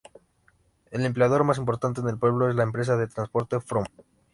El empleador más importante en el pueblo es la empresa de transporte "Fromm".